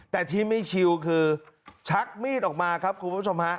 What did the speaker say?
แต่ที่ไม่ชิวคือชักมีดออกมาครับคุณผู้ชมฮะ